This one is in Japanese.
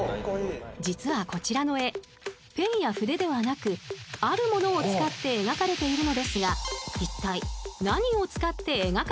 ［実はこちらの絵ペンや筆ではなくあるものを使って描かれているのですがいったい］